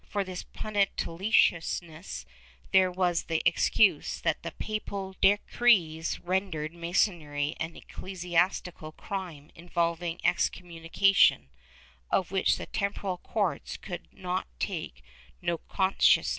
^ For this punctiliousness there was the excuse that the papal decrees rendered JMasonry an ecclesiastical crime involving excom munication, of which the temporal courts could take no cognizance.